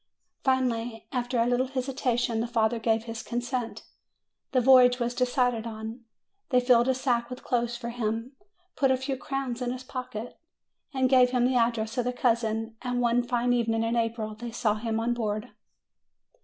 Finally, after a little hesitation, the father gave his consent. The voyage was decided on. They filled a sack with clothes for him, put a few crowns in his pocket, and gave him the address of the cousin; and one fine evening in April they saw him on board.